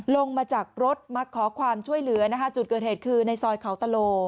ลงมาจากรถมาขอความช่วยเหลือนะคะจุดเกิดเหตุคือในซอยเขาตะโล